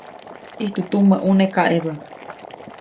ʼIjtu tumä ʼuneʼ kaʼebä.